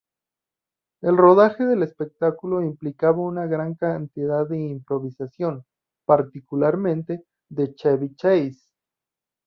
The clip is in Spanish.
El rodaje del espectáculo implicaba una gran cantidad de improvisación, particularmente de Chevy Chase.